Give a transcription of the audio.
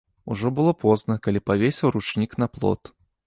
Ужо было позна, калі павесіў ручнік на плот.